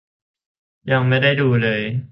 ยังไม่ได้ดูเลย